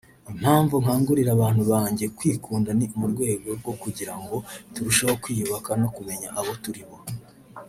Impamvu nkangurira abantu banjye kwikunda ni mu rwego rwo kugira ngo turusheho kwiyibuka no kumenya abo turi bo